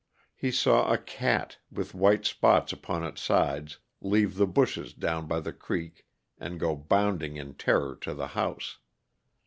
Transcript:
He saw a cat, with white spots upon its sides, leave the bushes down by the creek and go bounding in terror to the house.